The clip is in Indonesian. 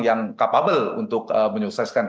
yang capable untuk menyukseskan